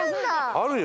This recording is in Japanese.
あるよ。